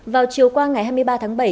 vào chiều qua ngày hai mươi ba tháng bảy